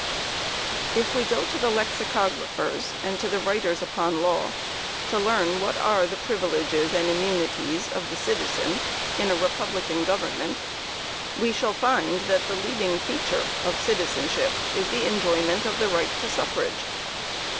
_ If we go to the lexicographers and to the writers upon law, to learn what are the privileges and immunities of the "citizen" in a republican government, we shall find that the leading feature of citizenship is the enjoyment of the right of suffrage.